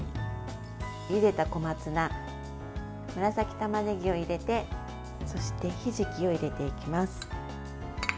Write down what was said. ゆでた小松菜紫たまねぎを入れてそして、ひじきを入れていきます。